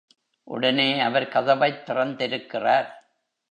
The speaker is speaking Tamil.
உடனே அவர் கதவைத் திறந்திருக்கிறார்.